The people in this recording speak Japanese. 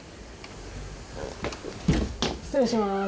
失礼しまーす。